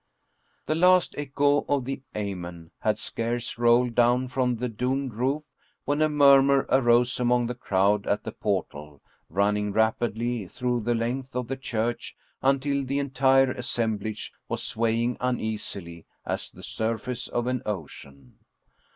The last echo of the amen had scarce rolled down from the domed roof when a murmur arose among the crowd at the portal, running rapidly through the length of the church until the entire assemblage was swaying uneasily as the surface of an ocean.